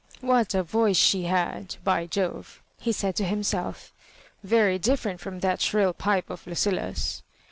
" What a voice she had, by Jove 1 " he said to himself; " very diflfer ent from that shrill pipe of Lucilla's."